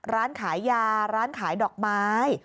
ร้านขายยาร้านขายดอกไม้